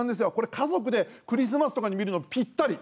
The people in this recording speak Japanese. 家族でクリスマスとかに見るのにぴったり！